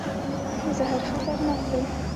زهر خطرناک دی.